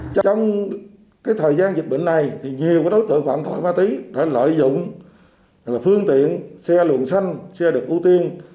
trong thời gian dịch bệnh này nhiều đối tượng phạm tội ma túy đã lợi dụng phương tiện xe luồng xanh xe đực ưu tiên